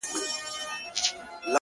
ته راته وعده خپل د کرم راکه,